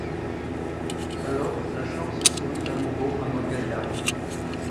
Alors la chance sourit à nouveau à nos gaillards.